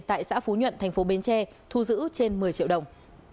tại xã phú nhuận thành phố bến tre thu giữ trên một mươi triệu đồng